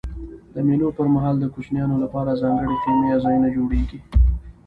د مېلو پر مهال د کوچنيانو له پاره ځانګړي خیمې یا ځایونه جوړېږي.